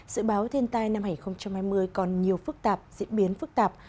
sự báo thiên tai năm hai nghìn hai mươi còn nhiều phức tạp diễn biến phức tạp